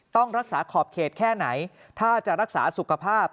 ต้องรักษาขอบเขตแค่ไหนถ้าจะรักษาสุขภาพ